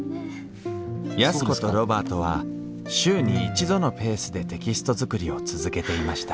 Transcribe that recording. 安子とロバートは週に一度のペースでテキストづくりを続けていました